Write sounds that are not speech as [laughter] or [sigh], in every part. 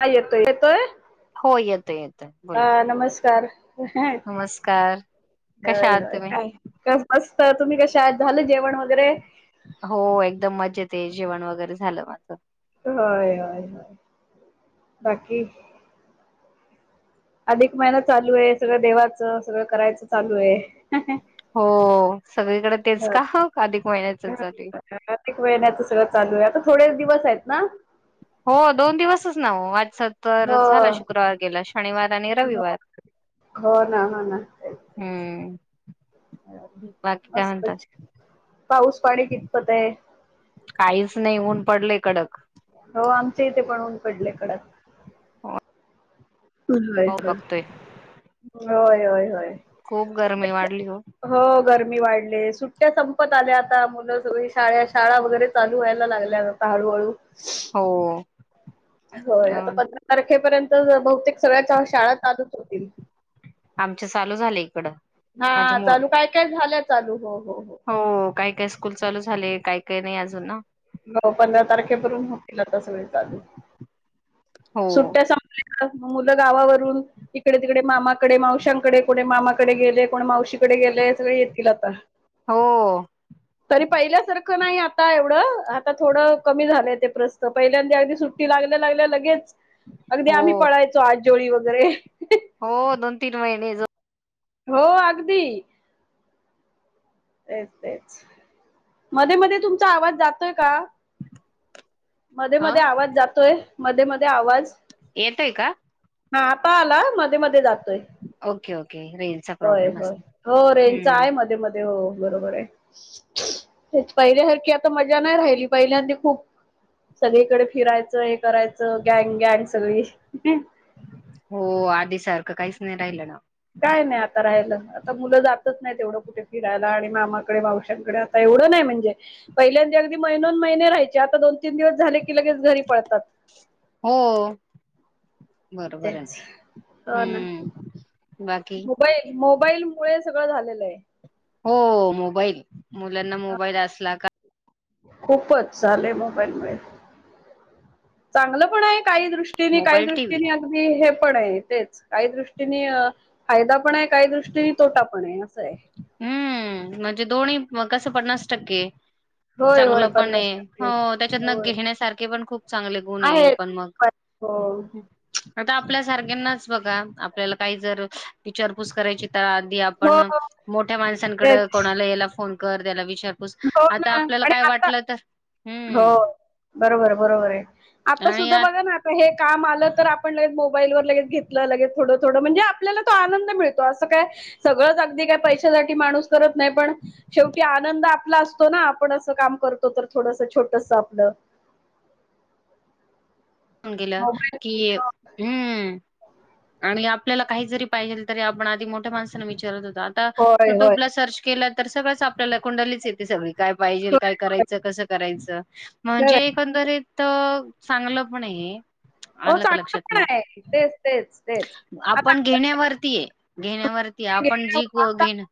का येतोय येतोय हो येतोय येतोय अ बोला नमस्कार नमस्कार कशा आहात तुम्ही? काय कस बस? त तुम्ही कशा झालं जेवण वगैरे? हो एकदम मजेत ए जेवण वगैरे झालं माझं. होय होय होय, बाकी अधिक महिना चालू आहे सगळं देवाचं सगळं करायचं चालू आहे. हो सगळीकडे तेच ह का अधिक महिन्याच बर चालू आहे. प्रत्येक वेळेला दुसरंच चालू आहे आता थोडे दिवस आहेत ना? हो दोन दिवसच नाओ सत्वार हो झाला शुक्रवार गेला शनिवार आणि हो रविवार. हो ना हो ना तेच हम्म. तेच. बाकी काय म्हणता? मस्त पाऊस पाडी कितपत आहे. काहीच नाही ऊन पडलंय कडक हो आमचे इथे पण ऊन पडले कडक होय पाऊ होय. बघतोय होय होय होय. खूप गरमी वाढली हो गरमी वाढले सु संपत आल्या आता मुलं सगळी शाळा शाळा वगैरे चालू व्हायला लागल्या आता हळूहळू. हो हो अ आता पंधरा तारखेपर्यंत. बहुतेक. सगळ्या शाळा चालूच होतील आमचे चालू झाले इकडं माझे हा मु चालू काय काय झालं. चालू हो हो. हो काय काय स्कूल चालू झाले काही काही नाही अजून ना. हो पंधरा तारखेपासुन होतीलला तस वेळ सगळे चालू. हो सुट्ट्या सांभल्या का? मग मुलं गावावरून इकडे तिकडे मामाकडे मावशांकडे कोणी मामाकडे गेले कोणी मावशीकडे गेले सगळे येतील आता. हो तरी पहिल्यासारखं. नाही आता एवढं आता, थोडं कमी झालंय ते प्रस्त पहिल्यांदा अगदी सुट्टी लागल्या लागल्या लगेच. अगदी आम्ही हो पडायचो आजजोळी वगैरे, हो दोन तीन महिने जो हो अगदी. तेच तेच.. मध्ये मध्ये तुमचा आवाज जातोय का? मध्ये ह मध्ये आवाज जातोय. मध्ये मध्ये आवाज. येतय का? हा आता आला मध्ये मध्ये जातो. ओके ओके रेलचा प्रॉब्लेम अस होय हो रेंजचा हम्म. आहे मध्ये मध्ये हो बरोबर आहे ते पहिल्यासारखी आता मजा नाही राहिली पहिल्यांदी खूप. सगळीकडे फिरायचं हे करायचं गँग गॅग सगळी. हो आधी सारखं काहीच नाही राहिलं ना काय नाही आता राहालं आता मुलं जातच नाही, तेवढं कुठे मुफिरायला आणि मामाकडे मावशांकडे आता एवढं नाही म्हणजे, पहिल्यांदा अगदी महिने दोन महिने राहायचे. आता दोन तीन दिवस झाले. लगेच घरी पळतात. हो बरोबर आहे तेच ना हो ना हम् बाकी. मोबाईल मोबाईल मुळे सगळं झालेलं आहे. हो, मोबाईल मुलांना मोबाईल असला का खूपच झालेय मोबाईल मुळे चांगलं पण आहे. काही दृष्टीने काही मोबाईल टीव्ही दृष्टीने अगदी हे पण आहे तेच काही दृष्टीनी अ.. फायदा पण आहे. काही दृष्टीनी तोटापण आहे. सय. हम्म, म्हणजे दोन्ही म कसं पन्नास टक्के. होय होय चांगलं पण पन्नास आहे. टक्के हो त्याच्यातन होय घेण्यासारखे पण खूप चांगले गुणे आहेत पण मग. हो आता आपल्या सारख्यांनाच बघा, आपल्याला काही जर इचारपूस करायची तर आधी आपण हो मोठ्या माणसांनकड तेच कोणाला येला फोन कर त्याला विष हो ना आणि आता हम्म होय, बरोबर आहे. बरोबर आहे. आता आणि सुद्धा आत बघा ना आता हे काम आलं तर आपण लगेच मो बाईल वर लगेच घेतलं, लगेच थोडं थोड म्हणजे आपल्याला तो आनंद मिळतो. असं काय सगळच ते काय पैशासाठी माणूस करत नाही. पण शेवटी आनंद आप आपला असतो ना आपण असं काम करतो तर थोडस छोटस आपलं. म [unintelligible] गेला मोबाईल की हम्म आणि आपल्याला काही जरी पाहिजेल तरी आपण आधी मोठ्या माणसाना विचारत होत. आता होय होय युट्यूबला सर्च केलत तर सगळंच आपल्याला, कुंडलीच येते सगळी. काय पाहिजेल, होय काय होय. करायचं कसं करायचं म्हणजे खरंय एकंदरीत. त चांगलं पण आहे. हो आलं का चांगलं लक्षात पण मग आहे तेच तेच. आता आपण घेण्यावरतीये घेण्यावरती आपण जि क आपण घेण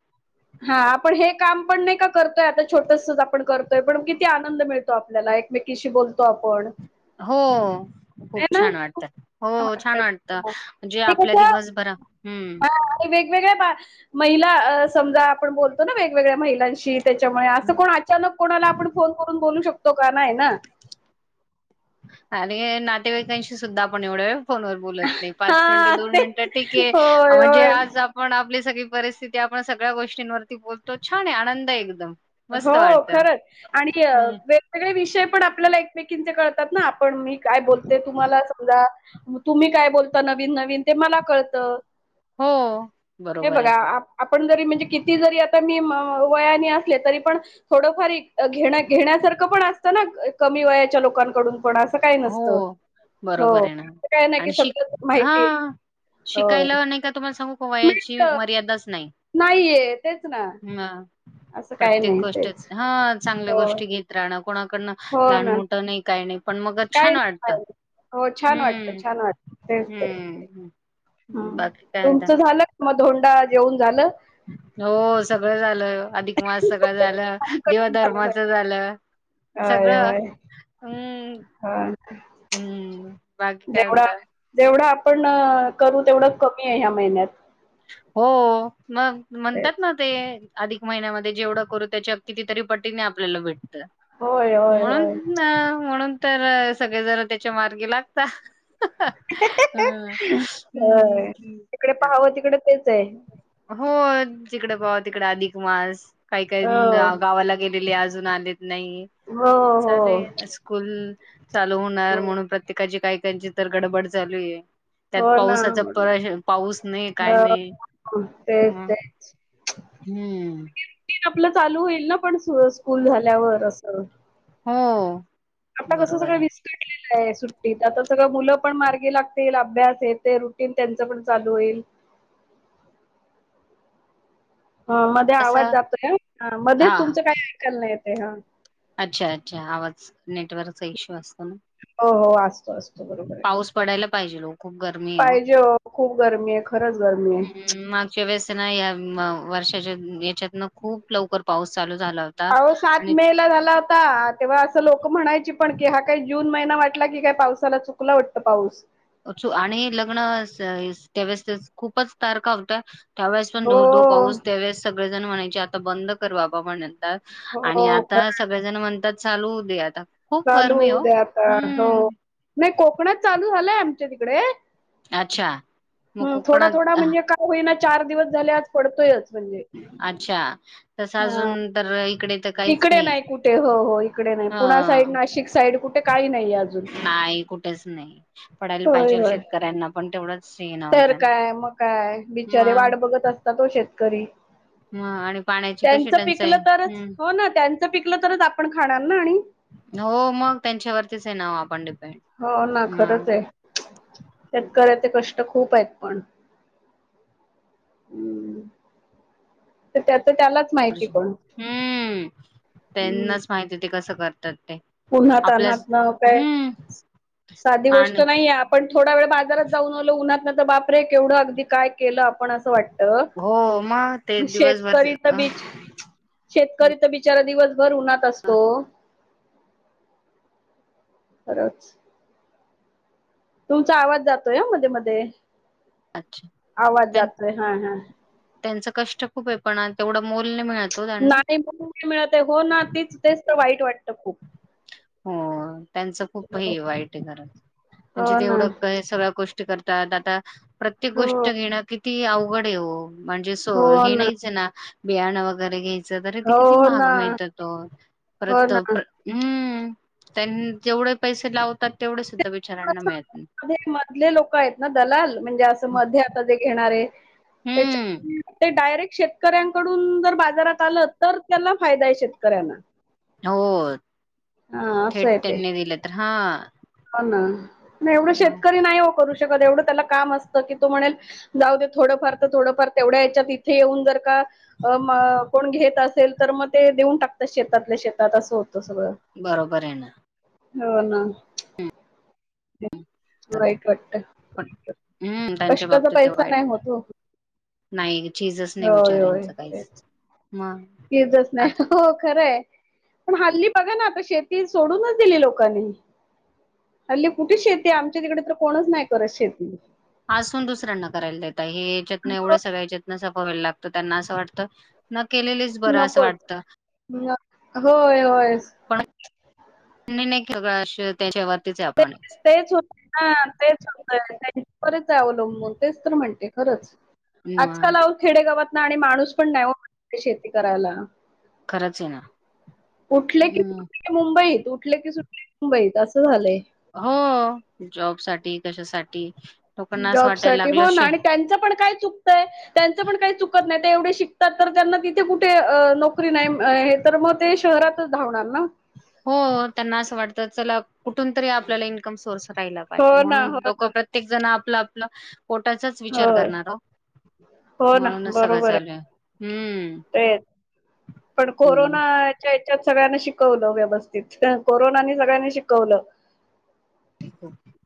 हा आपण हे काम पण नाही का करतोय आता छोटस आपण करतोय, पण किती आनंद मिळतो आपल्याला एकमेकीशी बोलतो आपण. हो. आहे खूप ना छान खूप वाटतं, छान हो छान वाटतं. वाटत जे ते आपल्या कसं दिवसभरा हम्म. हा आणि वेगवेगळ्या बा महिला अ समजा आपण बोलतो ना वेगवेगळ्या महिलांशी. त्याच्यामुळे असं कोण अचानक कोणाला आपण फोन करून बोलू शक तो गाना आहे ना. आणि नातेवाईकांशी सुद्धा आपण एवढं फोन बत नाही पाच मिनट हा दोन मिनिटं तेच ठीके होय म्हणजे होय. आज आपण आप सगळी परिस्थिती आपण सगळ्या गोष्टींवरती बोलतो छान आहे. आनंद आहे. एकदम हो मस्त वाटत खरच आणि हम्म वेगवेगळे विषय पण आपल्याला एक एकमेकांचे कळतात ना आपण मी काय बोलते तुम्हाला समजा मग तुम्ही काय बोलता नवीन नवीन ते मला कळतं. हो हे बरोबर बघा आहे आपण जरी म्हणजे किती जरी आता वयाने तरी पण थोडंफार घेण घेण्यासारखं पण असतं ना. कमी वयाच्या लोकांकडून पण असं काही नसतं. हो हो. बरोबर आहे ना असं काही नाही की आणि शी सगळंच हा माहिती होय. शिकायला नाही का तुम्हाला सांगू वयाची मर्यादाच नाही. नाही मा असं काही प्रत्येक नाही गोष्ट तेच. हा चांगल्या हो. गोष्टी घेत राहणं कोणाकडनं हो लहान ना. मोठं नाही काही नाही. पण मग काय छान वाटतं. हो छान वाटत. हम्म छान वाटत. तेच ते. हम्म ह बाकी काय म्हणता? तुमचं झालं? मग धोंडा जेऊन झालं. हो सगळं झालं. अधिक मास सगळं झालं. आमचं पण देवधर्माच झालं. होय सगळं होय हम्म हा हम्म बाकी काय म्हणता? जेवढं आपण करू तेवढं कमी आहे. ह्या महिन्यात. हो. मग तेच. म्हणतात ना ते अधिक महिन्यामध्ये जेवढ करू त्याच्या कितीतरी पटीने आपल्याला भेट होय होय होय. म्हणूना म्हणून तर सगळे जरा त्याच्या मार्गे लागता. होय हं. तिकडे पाहावं तिकडे तेच. ते हो जिकडे पाहव तिकडे अधिक मास काही काही हो गावाला गेलेली आज आजुन आलेत नाही हो हो चाले स्कूल चालू हो होणार म्हणून प्रत्येकाची काही त्यांची तर गडबड चालू आहे. त्यात हो ना पाऊसाचा म्हणून पर पाऊस नाही काय नाही. हो तेच मग तेच हम्म. रूटीनआपलं चालू होईल. [unintelligible] स्कूल झाल्यावर असं [inaudible] आता कसं बरोबर सगळं आहे. वीज काले सुट्टीत आता सगळं मुलं पण मार्गी लागतील अभ्यास आहे ते रुटीन त्यांच पण चालू होईल. ह मध्ये आवाज कसं जातोय हा मध्येच तुमचं काही ऐकाल नाही. ते हा अच्छा अच्छा आवाज नेटवर्क इशू असतो हो हो असतो ना असतो बरोबर आहे पाऊस पडायला. पाहिजलो खूप गर्मीि हो खूप गरमी आहे. खरंच गरमी आहे हम्म माग वस या वर्षाच्या याच्यातन खूप लवकर पाऊस चालू झाला होता. पाह सात आणि मे ला झाला होता तेव्हा असं लोक म्हणायची पण की हा काही जून दोन महिना वाटला की काय पावसाला चुकला वाटतं पाऊस आणि लग्न त्यावेळेस खूपच तारख होत. त्यावेळेस पण हो दो ो पाऊस त्यावेळेस सग सगजण म्हणायची आता बंद कर बाबा म्हण आणि हो आता खरं सगळेजण म्हणतात. चालू दे्या आता खूप चालू गरमी ओ द्या आता हो हम्म नाही कोकणात चालू झालंय आमच्या तिकडे अच्छा मग ह थोडा कोकणात थोडा म्हणजे काय होईना चार दिवस झाल्यात पडतोयच. म्हणजे. अच्छा तस हां. अजून तर इकडे इकडे नाही कुठे हो हो इकडे नाही. पुण्या साईड ह नाशिक साईड कुठे काही नाही अजूनय नाही कुठेच नाही पडायला तर होय पाहिजेल होय शेतकऱ्यांना पण तेवढंच हे तर नव्हतं. काय मग काय बिचारे वाट बघत असतात हो शेतकरी. ह आणि पाण्याची कशी त्यांचं टंचाई पिकलं तरच हो ना त्यां पिकलं तरच आपण खाणार ना आणि हो मग त्यांच्यावरतीच आहे ना ओ आपण डिपेंड हो ना खरंच म आहे. शेतकऱ्याचे कष्ट खूप आहेत पण. हम्. त्यात हम्म हं. त्यांनाच माहिती. ते कसं करते [inaudible] उन्हात तान्हात न काय साधी गोष्ट आणि नाहीये आपण थोडा वेळ बाजारात जाऊन आलो उन्हात बापरे केवढं अगदी काय केलं आ पण अस वाटत. हो मग ते दिवसभर शेतकरी तर अ, बीच शेतकरी तर बिचारा दिवस भर उन्हात असतो. खरंच. तुमचा आवाज जातोय हा मध्ये, मध्ये. अच्छा आवाज जातोय. हा हा, त्यांच कष्ट खूप आहे पण तेवढं मोल नाही मिळत ओ त्यांना नाही म्हणून नाही मिळत हो ना तीच तेच तर वाईट वाटते. वाटंत खूप हो त्यांच खूप हे वाईट आहे. खरंच म्हणजे हो ना तेवढं सगळ्या गोष्टी करतात आता प्रत्येक हो गोष्ट घेणं किती अवघड आहे हो म्हणजे हे नाहीच आहे ना. बियाण वगैरे घे त ते किती हो ना महाग मिळतात हो, हो परत ना हम. त्यानी जेवढे पैसे लावतात. तेवढे सुद्धा बिचारांना मिळत नाही. मधले लोक आहेत ना दलाल म्हणजे अस. मध्ये आता जे घेणा -णारे. हम्म त्याच्या ते डायरेक्ट शेत कऱ्यांकडून जर बाजारात आलं तर त्याला फायदा आहे शेतकऱ्यांना. हो. हा असं थेट आहे ते त्यांनी दिल तर. हो ना नाही एवढं शेतकरी नाही हो करू शकत एवढं त्याला काम असत. की तो म्हणेल जाऊ दे थोडंफार तर थोडंफार तेवढ्या याच्यात तिथे येऊन जर का कोण घेत असेल तर मग ते देऊन टाकतात शेतातल्या शेतात असं होत. बरोबर आहे ना. हो ना आता वाईट वाटत पण हम्म त्यांच्या कष्टाचा बाबतीत ते पैसा वाईट नाही होत हो. नाही चीजच नाही होय होय बिचाऱ्यांचं काहीच तेच मग चीजच आ नाही हो खरं आहे. पण हल्ली बघा ना आता शेती सोडूनच दिली. लोकांनी हल्ली कुठे शेती आमच्या तिकडे तर कोणच नाही, करत शेती असून दुसऱ्यांना करायला देता. हेच्यातंन हो एवढं सगळ्या च्यातंन सम वावे लागत त्यांना असं वाटत न केलेलेच बरं असं नकोच. वाटत. न- होय होय पण नाही. सगळं त्याच्यावर ते तेच होतय ना तेच होतय त्यांच्यावरच आहे अवलंबून तेच तर म्हणते. खरंच. म आजकाल अहो खेडेगावात आणि माणूस पण नाही ओ शेती करायला. खरंच आहे ना उठले कि हम्म मुंबईत. ऊठले की सुटले मुंबईत असं झालंय. हो जॉबसाठी, कशासाठी लोकांना असं जॉब वाटायला साठी लागलं हो ना शे आणि त्यांच पण काय चुकतय त्यांचं पण काही चुकत नाही ते एवढे शिकतात तर त्यांना तिथे कुठे नोकरी नाही हे तर मग ते शहरातच धावणार ना. हो त्यांना असं वाटत चला कुठून तरी आपल्याला इनकम सोर्स मिळाला हो पाहिजे ना म्हणून हो ना. लोक प्रत्येक जण आपलं आपलं पोटाचाच विचार होय करणार हो हो ना म्हणूनच सगळं बरोबर चालू आहे हम्म तेच हम्म. त सगळ्यांना शिकवलं व्यवस्थित कोरोनानी सगळ्यांनी शिकवलं.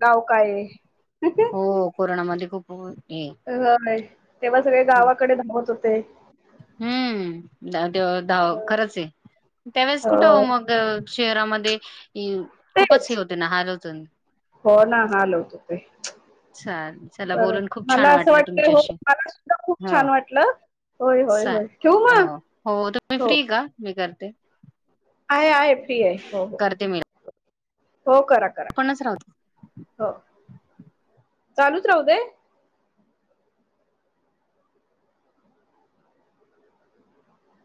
गाव काय. [inaudible] हो कोरोनामध्ये खूप हे होय. तेव्हा सगळे गावाकडे धावत होत. ते. हम्म द ते धाव खरंच आहे. त्यावेळेस कुठं होय मग शहरामध्ये खूपच हे तेच होते ना हाल होत. हो ना हाल होत होते. चाल चला बरं बोलून खूप छान मला असं वाटलं वाटतंय हो तुमच्याशी मला सुद्धा खूप ह छान वाटलं होय होय चाल होय ठेवू मग हो तुम्ही हो फ्री का मी करते. आहे आहे फ्री आहे हो हो. करते मी हो करा करा आपणच राहू हो. चालूच राहू दे?